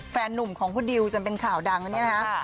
แฟนนุ่มของคุณดิวจนเป็นข่าวดังนะเนี่ยนะ